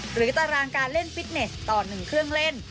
ตารางการเล่นฟิตเนสต่อ๑เครื่องเล่น